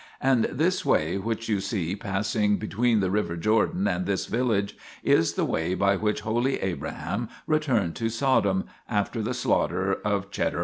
And this way which you see passing between the river Jordan and this village is the way by which holy Abraham returned to Sodom, after the slaughter of Chedorlaomer l king 1 In Gen. xiv.